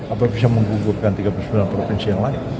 atau bisa menggugurkan tiga puluh sembilan provinsi yang lain